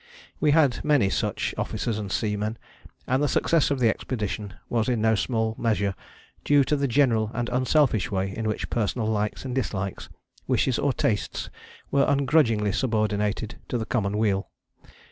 We had many such, officers and seamen, and the success of the expedition was in no small measure due to the general and unselfish way in which personal likes and dislikes, wishes or tastes were ungrudgingly subordinated to the common weal.